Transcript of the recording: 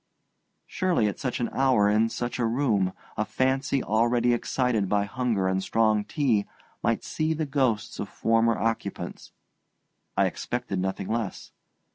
Surely at such an hour, in such a room, a fancy already excited by hunger and strong tea might see the ghosts of former occupants. I expected nothing less.